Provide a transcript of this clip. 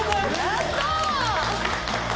やったー！